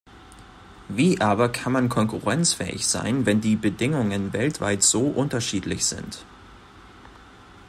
Wie aber kann man konkurrenzfähig sein, wenn die Bedingungen weltweit so unterschiedlich sind?